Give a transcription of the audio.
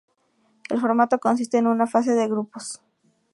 El formato consiste en una fase de grupos.